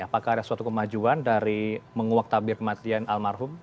apakah ada suatu kemajuan dari menguak tabir kematian almarhum